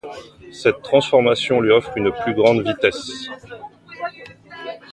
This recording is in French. Cette transformation lui offre une plus grande vitesse.